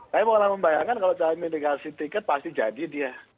tapi pokoknya membayangkan kalau cahimin dikasih tiket pasti jadi dia